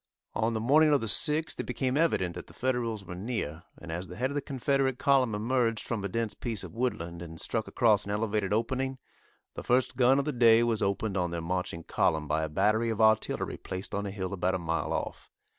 On the morning of the 6th it became evident that the Federals were near, and as the head of the Confederate column emerged from a dense piece of woodland, and struck across an elevated opening, the first gun of the day was opened on their marching column by a battery of artillery placed on a hill about a mile off.